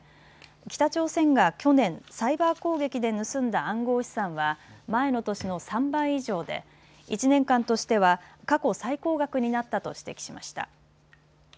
北朝鮮が去年、サイバー攻撃で盗んだ暗号資産は前の年の３倍以上で１年間としては過去最高額になったと指摘しました。